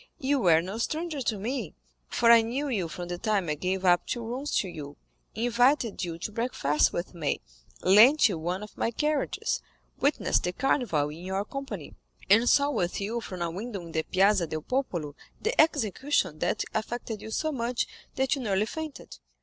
You were no stranger to me, for I knew you from the time I gave up two rooms to you, invited you to breakfast with me, lent you one of my carriages, witnessed the Carnival in your company, and saw with you from a window in the Piazza del Popolo the execution that affected you so much that you nearly fainted.